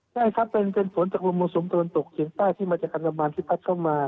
ใช่ครับเป็นฝนจากลมมรสุมตะวันตกเฉียงใต้ที่มาจากอันดามันที่พัดเข้ามา